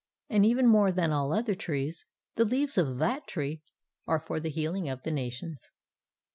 And even more than all the other trees, the leaves of that tree are for the healing of the nations.